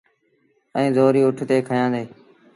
ائيٚݩ زوريٚ اُٺ تي کيآݩدي۔